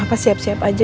pak siap siap aja